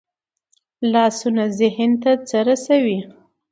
لاسونه ذهن ته څه رسوي